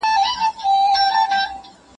تاسي باید په ژوند کي ریښتیني واوسئ.